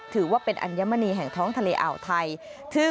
ถือว่าเป็นอัญมณีแห่งท้องทะเลอ่าวไทย